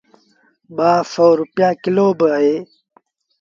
ٻآسو رپيآ ڪلو با اهي۔